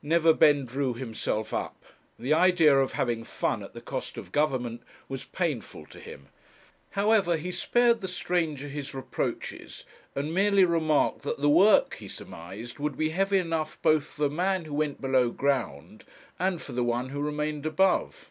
Neverbend drew himself up. The idea of having fun at the cost of Government was painful to him; however, he spared the stranger his reproaches, and merely remarked that the work he surmised would be heavy enough both for the man who went below ground, and for the one who remained above.